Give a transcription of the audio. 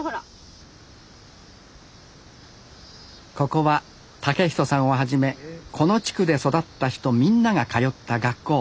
ここは健人さんをはじめこの地区で育った人みんなが通った学校。